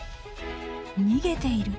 逃げている？